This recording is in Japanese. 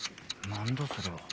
何だ？